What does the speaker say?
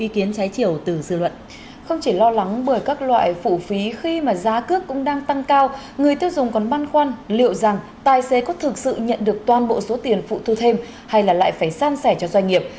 khi mà giá cước cũng đang tăng cao người tiêu dùng còn băn khoăn liệu rằng tài xế có thực sự nhận được toàn bộ số tiền phụ thu thêm hay là lại phải san sẻ cho doanh nghiệp